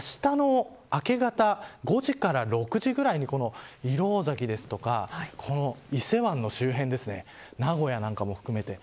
特に時間帯が、あしたの明け方５時から６時ぐらいに石廊崎ですとか伊勢湾の周辺ですね名古屋なんかも含めて。